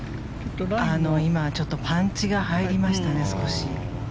今パンチが入りましたね、少し。